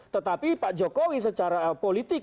tetapi pak jokowi secara politik